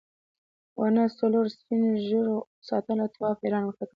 ونه څلورو سپین غوږو ساتله تواب حیران ورته وکتل.